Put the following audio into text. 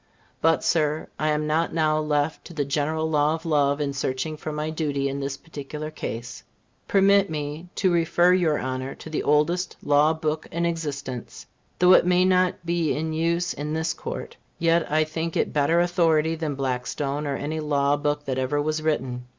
But, Sir, I am not now left to the general law of love in searching for my duty in this particular case. Permit me to refer your Honor to the oldest law book in existence. Though it may not be in use in this Court, yet I think it better authority than Blackstone or any law book that ever was written.